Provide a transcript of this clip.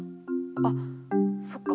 あっそっか。